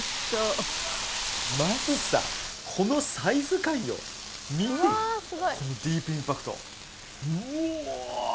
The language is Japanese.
まずさこのサイズ感よ見てこのディープインパクトうお！